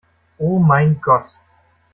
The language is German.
Oh mein Gott!